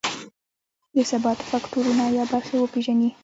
د ثبات فکټورونه یا برخې وپېژني.